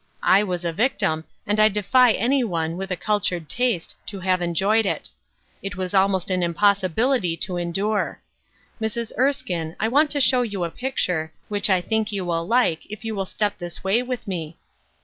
I was a victim, aud I defy anyone, with a cultured taste, to have enjoyed it. It was almost an impossibility to endure. Mrs. Ers kine, I want to show you a picture, which I think you will like, if you will step this way with me."